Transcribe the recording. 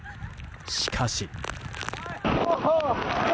しかし。